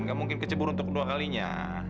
nggak mungkin kecebur untuk kedua kalinya